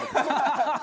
ハハハハ！